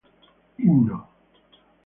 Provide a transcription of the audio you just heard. Himno